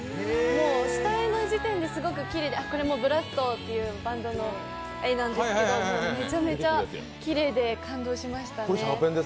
もう下絵の時点ですごくきれいで、これもブラストっていうバンドの絵なんですけどめちゃめちゃきれいで感動しましたね。